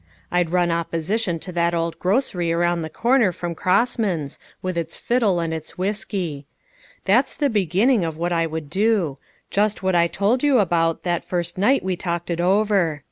I'd run opposition to that old grocery around the corner from Cross man's, with its fiddle and its whiskey. That's BEADY TO TRY. 337 the beginning of what I would do. Just what I told you about, that first night we talked it over.